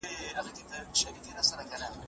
اثباتي پړاو د بشر لوړه دوره ده.